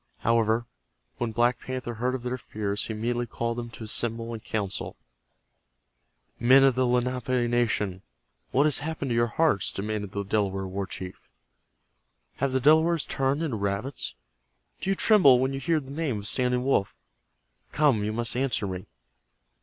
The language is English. However, when Black Panther heard of their fears he immediately called them to assemble in council. "Men of the Lenape nation, what has happened to your hearts?" demanded the Delaware war chief. "Have the Delawares turned into rabbits? Do you tremble when you hear the name of Standing Wolf? Come, you must answer me."